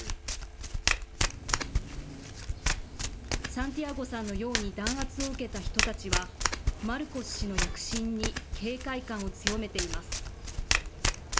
サンティアゴさんのように弾圧を受けた人たちは、マルコス氏の躍進に警戒感を強めています。